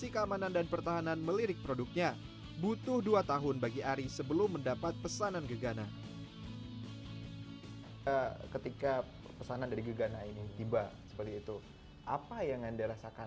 ketika pesanan dari gegana ini tiba seperti itu apa yang anda rasakan